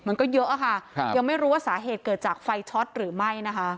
มันก็เยอะอะค่ะยังไม่รู้ว่าสาเหตุเกิดจากไฟช็อตหรือไม่นะคะ